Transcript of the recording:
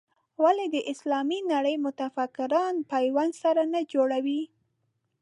ولې د اسلامي نړۍ متفکران پیوند سره نه جوړوي.